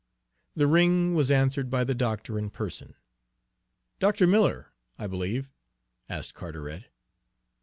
The ring was answered by the doctor in person. "Dr. Miller, I believe?" asked Carteret.